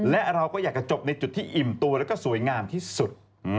และเราก็อยากจะจบในจุดที่อิ่มตัวแล้วก็สวยงามที่สุด